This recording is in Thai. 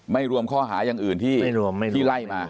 รวมข้อหาอย่างอื่นที่ไล่มา